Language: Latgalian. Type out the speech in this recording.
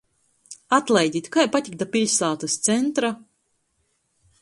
Atlaidit, kai patikt da piļsātys centra?